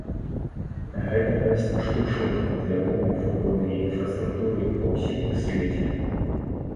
Гэта дасць штуршок для буму футбольнай інфраструктуры па ўсім свеце.